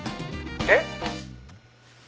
「えっ？」